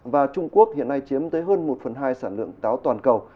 và trung quốc hiện nay chiếm tới hơn một phần hai sản lượng táo toàn cầu